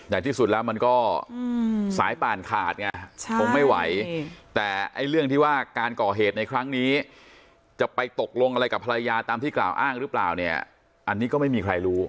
ที่สุดแล้วมันก็สายป่านขาดไงคงไม่ไหวแต่ไอ้เรื่องที่ว่าการก่อเหตุในครั้งนี้จะไปตกลงอะไรกับภรรยาตามที่กล่าวอ้างหรือเปล่าเนี่ยอันนี้ก็ไม่มีใครรู้